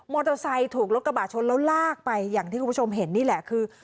เตอร์ไซค์ถูกรถกระบะชนแล้วลากไปอย่างที่คุณผู้ชมเห็นนี่แหละคือ